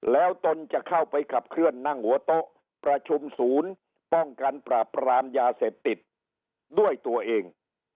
แล้วตนจะเข้าไปขับเคลื่อนนั่งหัวโต๊ะประชุมศูนย์ป้องกันปราบปรามยาเสพติดด้วยตัวเอง